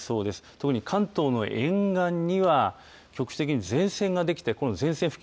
特に関東の沿岸には局地的に前線ができてこの前線付近